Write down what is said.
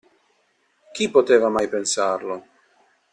Chi poteva mai pensarlo?